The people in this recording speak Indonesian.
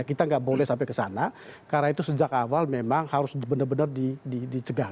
kita nggak boleh sampai ke sana karena itu sejak awal memang harus benar benar dicegah